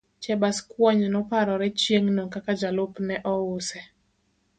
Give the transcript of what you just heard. Chebaskwony noparore chieng' no kaka jalupne ouse.